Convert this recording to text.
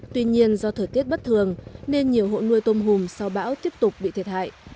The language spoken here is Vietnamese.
tuy nhiên do thời tiết bất thường nên nhiều hộ nuôi tôm hùm sau bão tiếp tục bị thiệt hại